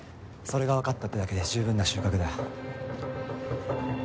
それがわかったってだけで十分な収穫だよ。